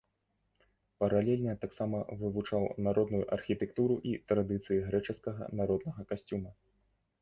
Паралельна таксама вывучаў народную архітэктуру і традыцыі грэчаскага народнага касцюма.